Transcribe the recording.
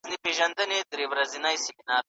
تاسو به د خپل ذهن لپاره ارام ځای پیدا کوئ.